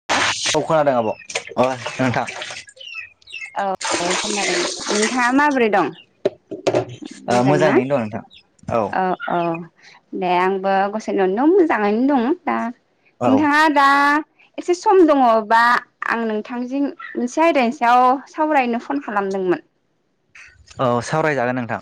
[unintelligible] अ खोनादों आब' अ नोंथां। औ [unintelligible] खोनादों नोंथाङा माबोरै दं? ओ मोजांना मोजाङैनो दं नोंथां औ ओ औ दे आंबो गसाइनि अननायाव मोजाङैनो दङ दा औ नोंथाङा दा एसे सम दङबा आं नोंथांजों मोनसे आयदानि सायाव सावरायनो फन खालामदोंमोन। औ सावरायजागोन नोंथां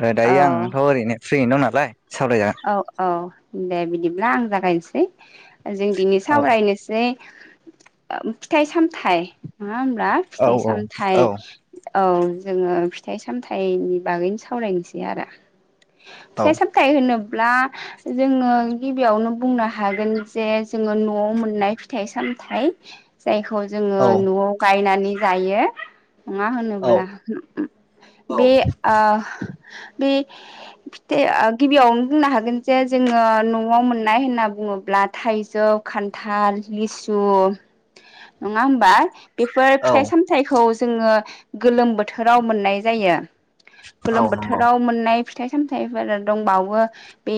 आरो औ दायो आंथ' ओरैनो फ्रियैनो दं नालाय सावरायजागोन। औ औ दे बिदिब्ला आं जागायनोसै जों दिनै औ सावरायनोसै जे फिथाइ सामथाइ नङा होमब्ला फिथाइ औ औ सामथाइ औ जोङो फिथाइ सामथाइनि बागैनो सावरायनोसै आरो। औ फिथाय सामथाइ होनो ब्ला जोङो गिबियावनो बुंनो हागोन जे जोङो न'आव मोननाय फि फिथाइ सामथाय जायखौ जोङो न'आव गायनानै जायो नङा औ होनोब्ला औ बे ओ बे फिथाइ गिबियाव बुंनो हागोन जे जोङो न'आव मोननाय होनना बुङोब्ला थाइजौ खा थाल लिसु नङा होमबा बेफोर औ फिथाइ सामथायखौ जोङो गोलोम बोथोराव मोननाय जायो औ गोलोम नंगौ बोथोराव मोननाय फिथाइ सामथायाइफोर दंबावो बे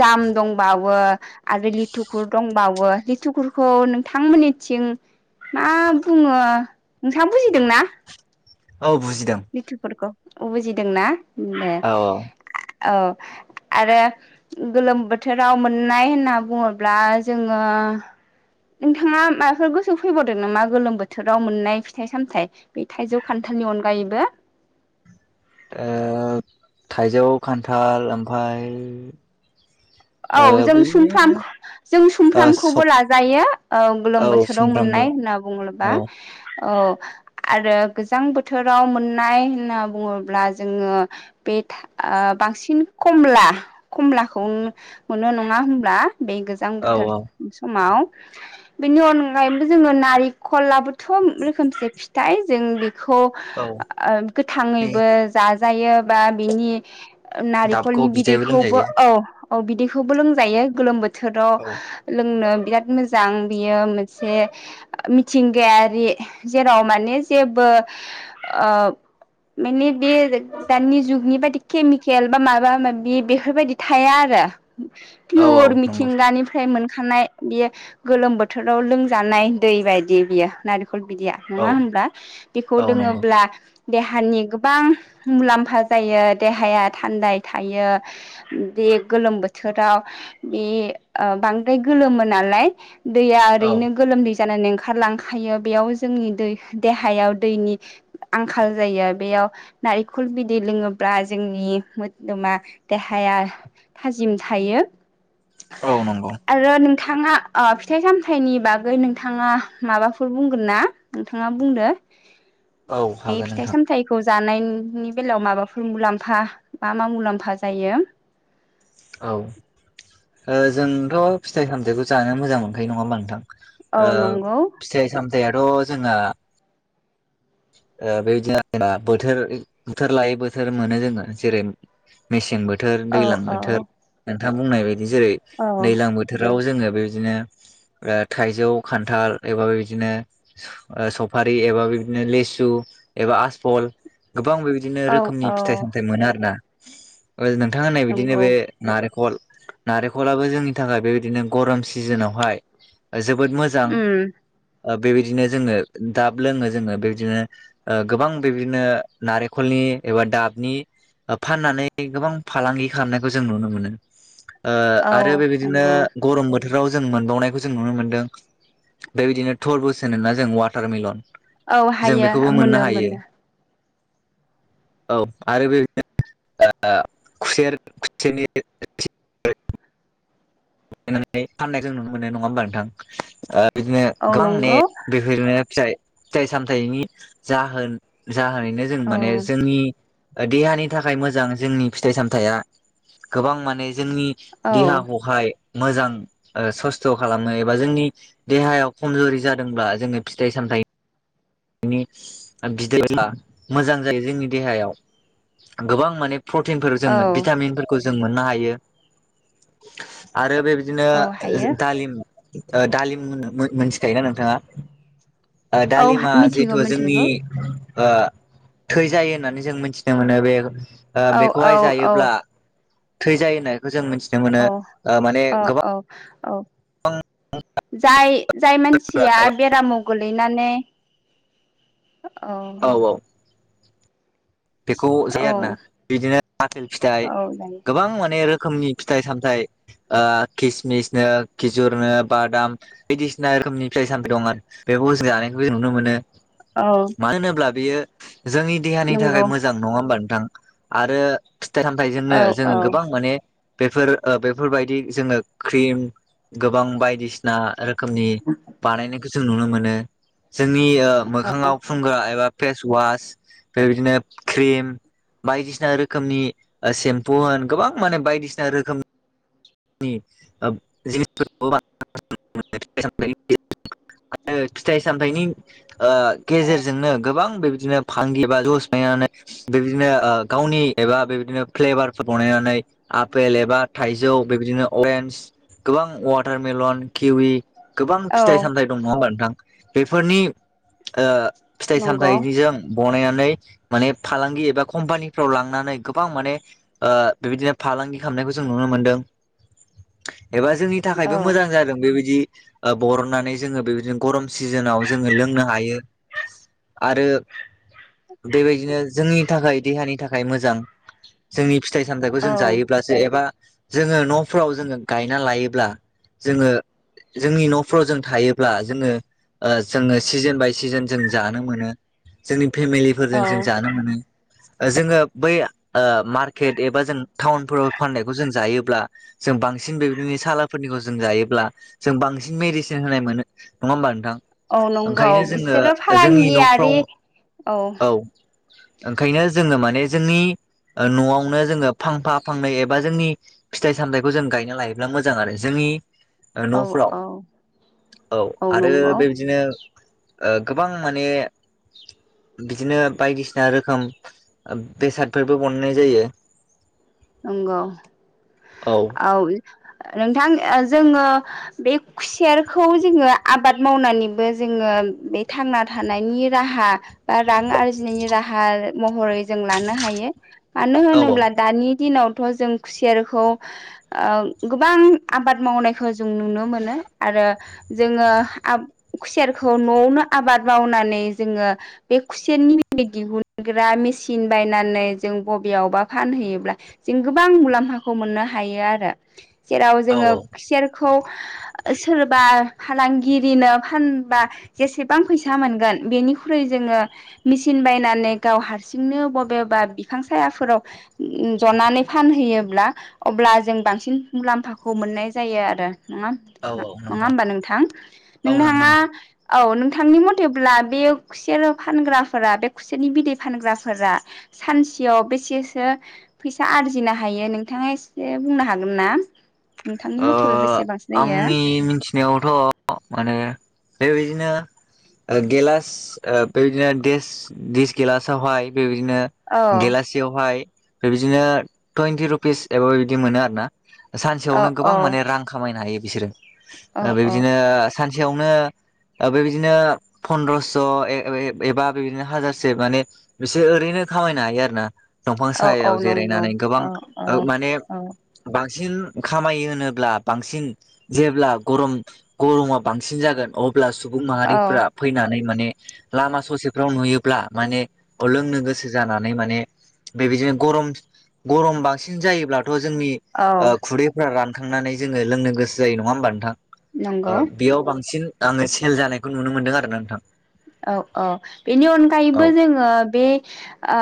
जाम दंबावो आरो लिथुखु दंबावो लिथुखुखौ नोंथांमोननिथिं मा बुङो नोंथांहा बुजिदोंना औ बुजिदों लिथुफोरखौ बुजिदोंना उम दे औ औ औ आरो गोलोम बोथोराव मोननाय होनना बुङोब्ला जोङो नोंथाङा माबाफोर गोसौ फैबावदों नामा गोलोम बोथोराव मोननाय फिथाइ सामथाइ बे थाइजौ खान्थालनि अनगायैबो ओ थाइजौ खान्थाल ओमफाय औ ओ जों सुमफ्राम बिदिनो जों ओ सुमफ्रामखौबो सब लाजायो औ गोलोम बोथोराव मोननाय होनना बुङोबा औ औ आरो गोजां बोथोराव मोननाय होनना बुङोब्ला जोङो बे बांसिन कमला कमलाखौ मोनो नङा होनोमब्ला बे गोजां औ बोथोर औ समाव बेनि अनगायैबो जोङो नारेंखलबोथ' रोखोमसे फिथाय जों बेखौ औ ओ बे गोथाङैबो जाजायो बा बिनि दाबखौ नारेखलनि बिदैबो बिदैखौबो लोंजायो औ औ बिदैखौबो लोंजायो गोलोम बोथोराव औ लोंनो बिराद मोजां बियो मोनसे मिथिंगायारि जेराव माने जेबो ओ माने बे दानि जुगनि बायदि केमिकेल बा माबा माबि बेफोरबायदि थाया आरो औ औ पिअर नंगौ मिथिंगानि फ्राय मोनखानाय बियो गोलोम बोथोराव लोंजानाय दै बायदि बियो नारेखल बिदैया नङा औ होनब्ला बेखौ औ नंगौ लोङोब्ला देहानि गोबां मुलाम्फा जायो देहाया थान्दायै थायो बे गोलोम बोथोराव बे बांद्राय गोलोमो नालाय दैया औ ओरैनो गोलोमदै जानानै ओंखारलांखायो बेयाव जोंनि दै देहायाव दैनि आंखाल जायो बेयाव नारेंखल बिदै लोङोब्ला जोंनि मोदोमा देहाया थाजिम थायो औ नंगौ आरो नोंथाङा अ फिथाइ सामथाइनि बागै नोंथाङा माबाफोर बुंगोन ना नोंथाङा बुंदो औ बे हागोन फिथाइ नोंथां सामथायाइ। जानायनि बेलायाव माबाफोर मुलाम्फा मा मा मुलाम्फा जायो। औ जोंथ' फिथाइ सामथायाइखौ जानो मोजां मोनखायो नङा होमबा नोंथां। औ ओ नंगौ फिथाइ सामथायथ' जोंना बेबायदिनो जेनबा बोथोर बोथोर लायै बोथोर मोनो जोङो जेरै मेसें बोथोर औ दैलां औ बोथोर नोंथां बुंनाय बायदि जेरै औ दैलां बोथ थोराव जोङो बेबायदिनो ओ थाइजौ खान्थाल एबा बिबादिनो ओ सफारि एबा [unintelligible] बिदिनो लिसु एबा आसफल गोबां बेबायदिनो औ रोखोमनि औ फिथाइ-सामथाइ मोनो आरो ना। ओ नोंथां होननाय बादिनो नंगौ बे नारेखल नारेखलाबो जोंनि थाखाय बेबायदिनो गरम सिजेनावहाय जोबोद मोजां उम ओ बेबायदिनो जोङो दाब लोङो जोङो। बेबदिनो ओ गोबां बिबदिनो नारेंखलनि एबा दाबनि फाननानै गोबां फालांगि खालामनायखौ जों नुनो मोनो। ओ औ आरो बेबायदिनो नंगौ गरम बोथ बोथोराव जों मोनबावनायखौ जों नुनो मोन्दों बेबायदिनो थरबुस होनो ना जों वाटारमिलन। औ हायो मोनो मोनो। औ आरो बे [unintelligible] ओ खुसेर खुसेरनि नानै फाननाय जों नुनो मोनो नङा होमबा नोंथां ओ बिदिनो औ गोबां ने नंगौ बेफ [unintelligible] फिथाइ फिथाइ सामथायनि जाहोन जाहोनैनो जों औ माने जोंनि देहानि थाखाय मोजां जोंनि फिथाइ सामथाइआ गोबां माने जोंनि औ देहाखौहाय मोजां ओ सस्थ' खालामो एबा जोंनि देहायाव खमजुरि जादोंब्ला जोङो फिथाइ-सामथायाइ नि बिदै [unintelligible] ब्ला मोजां जायो जोंनि देहायाव गोबां माने प्रटिनफोर जों औ भिटामिनफोरखौ जों मोननो हायो। आरो बेबायदिनो औ हायो दालिम ओ दालिम मोनथिखायोना नोंथाङा। ओ औ दालिमा मिथिगौ जेतु जोंनि मिथिगौ ओ थै जायो होननानै जों मोनथिनो मोनो बे ओ औ औ बेखौहाय औ जायोब्ला थै जायो होननायखौ जों मिथिनो मोनो ओ माने औ गोबां औ औ [inaudible] जाय जाय मानसिया बेरामाव गोलैनानै औ बेखौ औ जायो आरोना बिदिनो आपेल फिथाइ औ जायो गोबां माने रोखोमनि फिथाइ सामथाइ ओ खिसमिसनो, खिजुरनो, बादाम बायदिसिना रोखोमनि फिथाइ-सामथाइ दं आरो बेखौ जों जानायखौबो जों नुनो मोनो। औ मानो होनोब्ला बियो जोंनि देहानि नंगौ थाखाय मोजां नङा होमबा नोंथां आरो फिथाइ-सामथायाइजोंनो औ जोङो गोबां औ माने बेफोर ओ बेफोरबायदि जोङो क्रिम गोबां बायदिसिना रोख खोमनि बानायनायखौ [unintelligible] जों नुनो मोनो जोंनि ओ मोखाङाव फुनग्रा एबा फेस वास बेबादिनो क्रिम। बायदिसिना रोखोमनि ओ सेम्पु होन गोबां माने बायदिसिना रोखोम [unintelligible] [unintelligible] फिथाइ-सामथाइनि ओ गेजेरजोंनो गोबां बेबायदिनो फांगि एबा जुस [unintelligible] नायनानै बेबायदिनो ओ गावनि एबा बेबायदिनो फ्लेबारफोर बनायनायनानै आपेल एबा थाइजौ बेबादिनो अरेन्ज गोबां वाटारमेलन, किवि गोबां औ फिथाइ सामथाइ दं नङा होमबा नोंथां बेफोरनि ओ फिथाइ नंगौ सामथायाइनिजों बनाया नै माने फालांगि एबा कम्पानिफ्राव लांनानै गोबां माने ओ बेबायदिनो फालांगि खालामनायखौ जों नुनो मोनदों एबा जोंनि औ थाखायबो मोजां जादों बेबायदि ओ बरननानै जोङो बेबायदिनो गरम सिजेनाव जोङो लोंनो हायो। आरो बेबायदिनो जोंनि थाखाय देहानि थाखाय मोजां जोंनि फिथाइ सामथायखौ जों औ जायोब्ला सो एबा जोङो न'फोराव जोङो गायना लायोब्ला जोङो जोंनि न'फ्राव जों थायोब्ला जोङो ओ जोङो सिजेन बाय सिजेन जों जानो मोनो जोंनि फेमिलिफोरजों औ जों जानो मोनो। जोङो बै ओ मार्केट एबा जों टाउनफोराव फाननायखौ जों जायोब्ला जों बांसिन बेबायदिनो सालाफोरनिखौ जों जायोब्ला जों बांसिन मेडिसिन होनाय मोनो। नङा होमबा नोंथां? औ नंगौ ओंखायनो जोङो बिसोरो जोंनि न'फ्राव फालांगियारि औ औ ओंखायनो जोङो माने जोंनि ओ न'आवनो जोङो फांफा फांनै एबा जोंनि फिथाइ सामथायखौ जों गायना लायोब्ला मोजां आरो जोंनि ओ औ न'फोराव औ औ आरो बेबादिनो ओ गोबां माने बिदिनो बायदिसिना रोखोम ओ बेसादफोरबो बनायनाय जायो। नंगौ औ नोंथां ओ जोङो बे खुसेरखौ जोङो आबाद मावनानैबो जोङो बे थांना थानायनि राहा बा रां आरजिनायनि राहा महरै जों लानो हायो मानो औ होनोब्ला दानि दिनावथ' जों खुसेरखौ ओ गोबां आबाद मावनायखौ जों नुनो मोनो। आरो जोङो आब खुसेरखौ न'आवनो आबाद मावनानै जोङो। बे खुसेरनि [unintelligible] दिहुनग्रा मेसिन बायनानै जों बबेयावबा फानहैयोब्ला जों गोबां मुलाम्फाखौ मोननो हायो आरो। जेराव औ जोङो औ खुसेरखौ ओ सोरबा फालांगिरिनो फानबा जेसेबां फैसा मोनगोन बेनिख्रुइ जोङो मिसिन बायनानै गाव हारसिंनो बबेबा बिफां सायाफोराव जनानै फानहैयोब्ला अब्ला जों बांसिन मुलाम्फाखौ मोननाय जायो आरो नङा औ आ औ नङा नंगौ होमबा नोंथां औ नंगौ नोंथाङा नोंथां। औ नोंथांनि मथेब्ला बेयो खुसेर फानग्राफोरा बे खुसेरनि बिदै फानग्राफोरा सानसेयाव बेसेसो फैसा आरजिनो हायो नोंथाङा एसे बुंनो हागोन ना। नोंथांनि ओ मथेब्ला बेसेबांसो जायो आंनि मिनथिनायावथ' माने बेबायदिनो ओ गेलास ओ बेबायदिनो देस दिस गेलासावहाय बेबायदिनो औ गेलासेयावहाय बेबायदिनो टुयन्टि रुपिस एबा बिदि मोनो आरो ना। औ सानसेआवनो गोबां माने रां खामायनो हायो बिसोरो औ ओ औ बेबायदिनो सानसेयावनो ओ बेबायदिनो फन्द्रस' ए-ए-एबा बेबादिनो हाजारसे माने बिसोर ओरैनो खामायनो हायो आरो ना। दंफां औ औ सायाव नंगौ जिरायनानै गोबां औ औ ओ माने औ बांसिन खामायो होनोब्ला बांसिन जेब्ला गरम गरमा बांसिन जागोन अब ब्ला सुबुं औ माहारिफ्रा फैनानै माने लामा ससेफ्राव नुयोब्ला माने लोंनो गोसो जानानै माने बेबायदिनो गरम गरम बांसिंन जायोब्लाथ' जोंनि औ खुरैफोरा रानखांनानै जोङो लोंनो गोसो जायो नङा होमबा नोंथां नंगौ ओ बेयाव बांसिन आङो सेल जानायखौ नुनो मोनदों आरो ना नोंथां। औ औ औ अनगायैबो जोङो बे ओ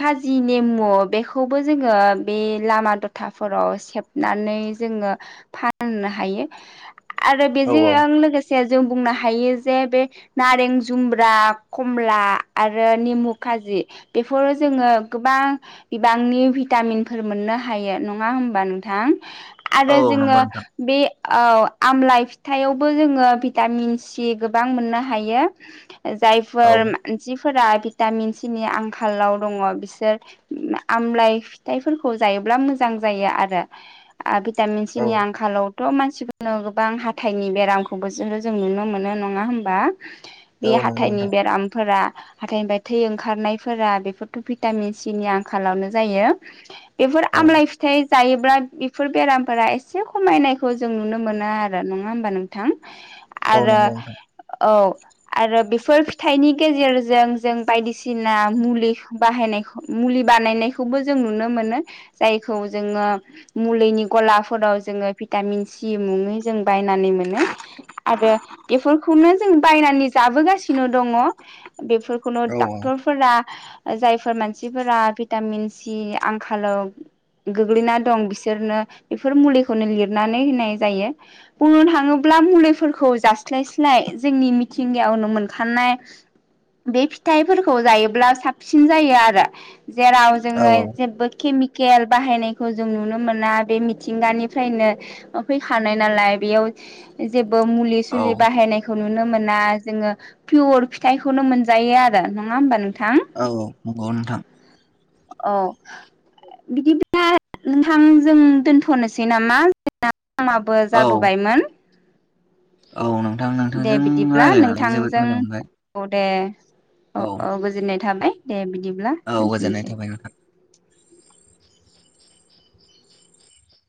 खाजि नेमु बेखौबो जोङो बे लामा दथाफोराव सेब नानै जोङो फाननो हायो। आरो औ बेजों लोगोसे जों बुंनो हायो जे बे नारें जुम जुमब्रा कमला आरो नेमु खाजि बेफोरो जोङो गोबां बिबांनि भिटामिनफोर मोननो हायो नङा होमबा नोंथां। आरो औ जोङो नंगौ नोंथां बे औ आमलाइ फिथाइावबो जोङो भिटामिन सि गोबां मोननो हायो औ जायफोर औ मानसिफोरा भिटामिन सिनि आंखालाव दङ बिसोर आमलााय फिथाइफोरखौ जायोब्ला मोजां जायो आरो भिटामिन सिनि आंखालाव थ' मानसिफोरनो गोबां हाथथायनि बेरामखौबो जो जों नुनो मोनो नङा होमबा बे औ नंगौ हाथायनि नोंथां बेरामफोरा हाथथायनिफ्राय थै ओंखारनायफोरा बेफोरथ' भिटामिन सिनि आंखालावनो जायो। इफोर औ आमलाइ फि थाय जायोब्ला बेफोर बेरामफोरा एसे खमायनायखौ जों नुनो मोना आरो नङा होमबा नोंथां। औ आरो नंगौ नोंथां औ आरो बेफोर फिथाइनि गेजेरजों जों बायदिसिना मुलि बाहायनाय मुलि बानायनायखौबो जों नुनो मोनो जायखौ जोङो मुलिनि गलाफोराव जोङो भिटामिन सि मुङै जों बायनानै मोनो आरो बेफोरखौनो जों बायनानै जाबोगासिनो दङ बेफोरखौनो औ डाक्टर फोर जायफोर मानसिफोरा भिटामिन सि आंखालाव गोग्लैना दं बिसोरनो बेफोर मुलिखौनो लिरनानै होनाय जायो। बुंनो थाङोब्ला मुलिफोरखौ जास्लायस्लाय जोंनि थिंगायावनो मोनखानाय बे फिथाइफोरखौ जायोब्ला साबसिन जायो आरो जेराव औ जोङो जेबो केमि केल बाहायनायखौ जों नुनो मोना बे मिथिंगानिफ्रायनो फैखानाय नालाय बेयाव जेबो मुलि औ सुलि बाहायनायखौ नुनो मोन ना जोङो पियर फिथाइखौनो मोनजायो आरो नङा होमबा नोंथां। औ नंगौ नोंथां। औ। बिदि बा नोंथां जों दोनथ'नोसै नामा जों बो औ जाबोबायमोन। औ नोंथां दे नोंथांजों। बिदिब्ला रायज्लायनानै जोबोद नोंथांजों मोजां मोनबाय औ दे औ औ गोजोननाय थाबाय। दे बिदिब्ला औ गोजोननाय दोनथ'नोसै थाबाय नोंथां।